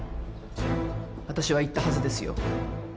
私は言ったはずですよ。